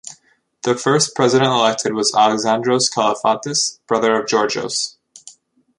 The first president elected was Alexandros Kalafatis, brother of Giorgos.